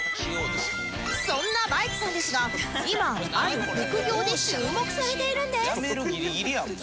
そんなバイクさんですが今ある副業で注目されているんです